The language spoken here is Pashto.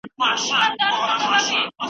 ځینو پوهانو د سیاست علمي والی نه دی رد کړی.